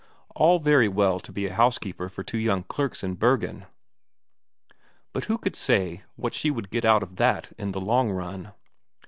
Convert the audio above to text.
All very well to be housekeeper for two young clerks in Bergen, but who could say what she would get out of that in the long run?